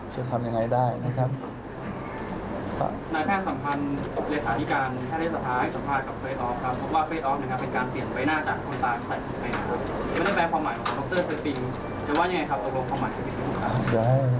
ขอบคุณพี่ด้วยนะครับ